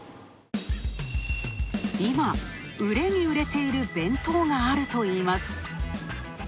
今、売れに売れている弁当があるといいます。